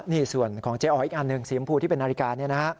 นี่ส่วนของเจ๊อ๋ออีกอันหนึ่งสีชมพูที่เป็นนาฬิกาเนี่ยนะฮะ